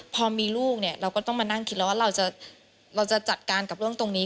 พอมีลูกเนี่ยเราก็ต้องมานั่งคิดแล้วว่าเราจะจัดการกับเรื่องตรงนี้